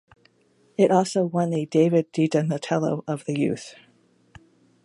It also won the David di Donatello of the Youth.